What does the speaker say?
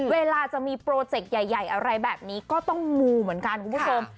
เวลาจะมีโปรเจกต์ใหญ่อะไรแบบนี้ก็ต้องมูเหมือนกันคุณผู้ชม